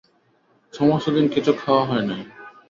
সমস্তদিন কিছু খাওয়া হয় নাই।